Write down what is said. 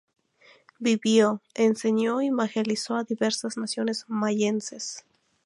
Vivió, enseñó y evangelizó a diversas naciones mayenses.